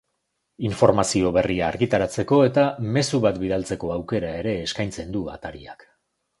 Informazio berria argitaratzeko eta mezu bat bidaltzeko aukera ere eskaintzen du atariak.